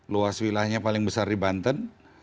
luas wilayahnya paling besar di banten